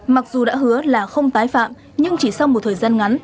mặc dù đã hứa là không tái phạm nhưng chỉ sau một thời gian ngắn